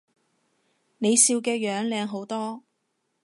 你笑嘅樣靚好多